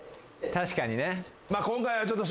確かにね。